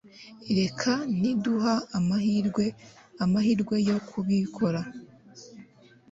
Reka ntiduha amahirwe amahirwe yo kubikora